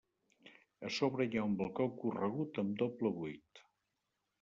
A sobre hi ha un balcó corregut amb doble buit.